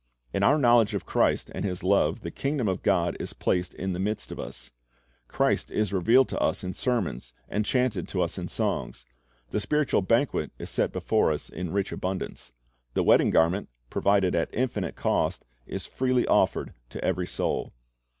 In our knowledge of Christ and His love the kingdom of God is placed in the midst of us. Christ is revealed to us in sermons and chanted to us in songs. The spiritual banquet is set before us in rich abundance. The wedding garment, provided at infinite cost, is freely offered to every soul.